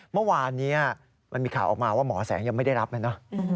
เมื่อวานนี้มันมีข่าวออกมาว่าหมอแสงยังไม่ได้รับนะ